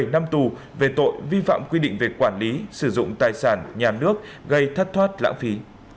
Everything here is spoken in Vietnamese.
bảy năm tù về tội vi phạm quy định về quản lý sử dụng tài sản nhà nước gây thất thoát lãng phí